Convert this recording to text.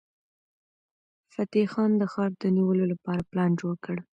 فتح خان د ښار د نیولو لپاره پلان جوړ کړ.